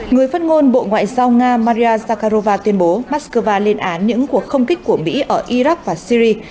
người phát ngôn bộ ngoại giao nga maria zakharova tuyên bố mắc cơ va lên án những cuộc không kích của mỹ ở iraq và syria